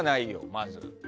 まず。